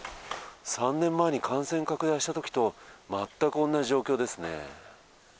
３年前に感染拡大したときと全く同じ状況ですね。